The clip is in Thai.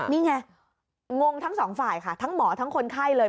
นี่ไงงทั้งสองฝ่ายค่ะทั้งหมอทั้งคนไข้เลย